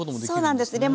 そうなんです。